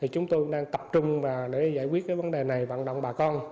chúng tôi đang tập trung để giải quyết vấn đề này vận động bà con